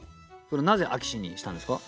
なぜ「飽きし」にしたんですか？